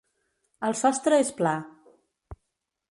El sostre és pla.